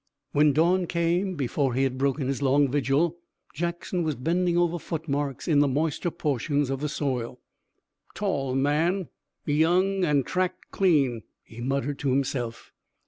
When dawn came, before he had broken his long vigil, Jackson was bending over footmarks in the moister portions of the soil. "Tall man, young an' tracked clean," he muttered to himself.